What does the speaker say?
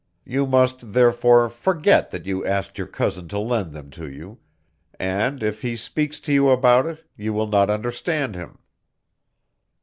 You must, therefore, forget that you asked your cousin to lend them to you, and, if he speaks to you about it, you will not understand him."